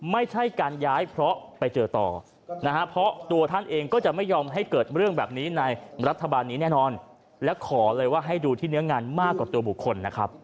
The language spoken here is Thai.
ย้ำไม่ใช่การย้ายเพราะไปเจอต่อนะครับเพราะตัวท่านเองก็จะไม่ยอมให้เกิดเรื่องแบบนี้ในรัฐบาลนี้แน่นอน